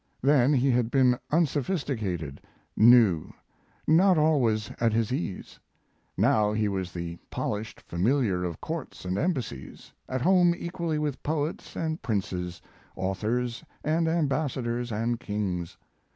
Then he had been unsophisticated, new, not always at his ease; now he was the polished familiar of courts and embassies at home equally with poets and princes, authors and ambassadors and kings.